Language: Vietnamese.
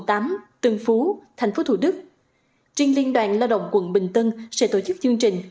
tân phú tp thủ đức trên liên đoàn lao động quận bình tân sẽ tổ chức chương trình